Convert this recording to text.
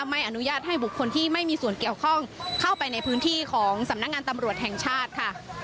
ไม่อนุญาตให้บุคคลที่ไม่มีส่วนเกี่ยวข้องเข้าไปในพื้นที่ของสำนักงานตำรวจแห่งชาติค่ะ